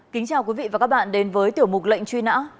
kính chào quý vị và các bạn đến với tiểu mục lệnh truy nã